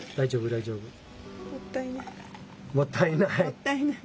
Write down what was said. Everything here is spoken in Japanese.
もったいない。